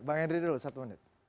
bang henry dulu satu menit